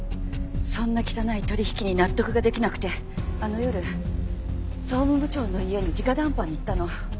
そんな汚い取引に納得ができなくてあの夜総務部長の家に直談判に行ったの。